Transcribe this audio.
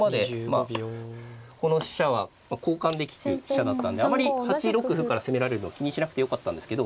この飛車は交換できる飛車だったんであまり８六歩から攻められるのは気にしなくてよかったんですけど